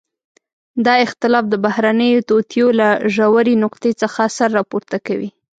دا اختلاف د بهرنيو توطئو له ژورې نقطې څخه سر راپورته کوي.